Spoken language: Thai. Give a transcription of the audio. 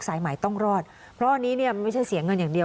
สายใหม่ต้องรอดเพราะอันนี้เนี่ยไม่ใช่เสียเงินอย่างเดียว